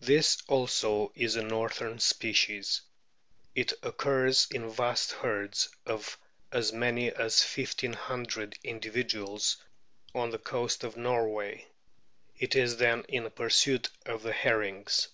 This also is a northern species. It occurs in vast herds of as many as fifteen hundred individuals on the coast of Norway ; it is then in pursuit of the herrings.